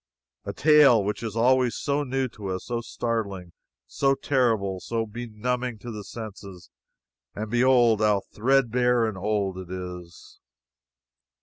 a tale which is always so new to us, so startling, so terrible, so benumbing to the senses, and behold how threadbare and old it is!